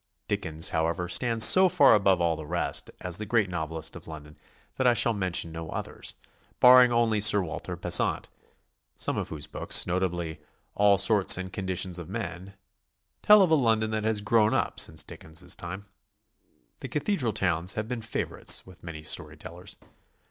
Dickens, ho<wever, stands so far above all the rest as the great novelist of Lon don that I shall mention no others, barring only Sir Walter Besant, some of whose books, notably "All Sorts and Con ditions of Men," tell of a London that has grown up since Dickens' time. The cathedral towns have been favorites with many story tellers.